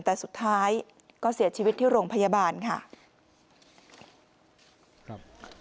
แต่สุดท้ายก็เสียชีวิตที่โรงพยาบาลค่ะครับ